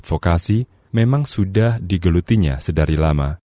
vokasi memang sudah digelutinya sedari lama